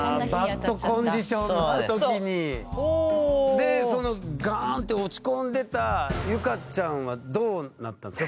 でそのガーンって落ち込んでた結香ちゃんはどうなったんですか？